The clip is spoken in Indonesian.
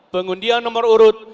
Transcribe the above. pengundian nomor urut